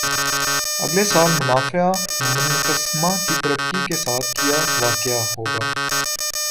اگلے سال منافع منقسمہ کی ترقی کے ساتھ کِیا واقع ہو گا